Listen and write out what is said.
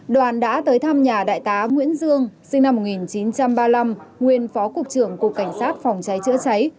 đoàn đã tới thăm nhà đại tá nguyễn dương sinh năm một nghìn chín trăm ba mươi năm nguyên phó cục trưởng cục cảnh sát phòng cháy chữa cháy